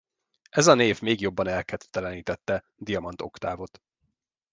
Ez a név még jobban elkedvetlenítette Diamant Oktávot.